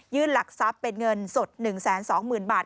หลักทรัพย์เป็นเงินสด๑๒๐๐๐บาท